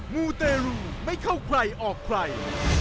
มือเตรีย์ลูกไม่เข้าใครออกใคร